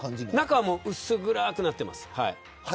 中は薄暗くなっています。